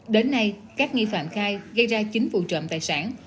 đến nay các nghi phạm khai gây ra chín vụ trộm tài sản